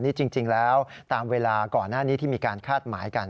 นี่จริงแล้วตามเวลาก่อนหน้านี้ที่มีการคาดหมายกัน